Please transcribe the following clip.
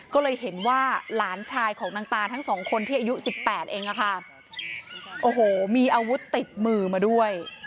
ก็เลยเห็นว่าหลานชายของนางตาทั้งสองคนที่อายุ๑๘เองอะค่ะโอ้โหมีอาวุธติดมือมาด้วย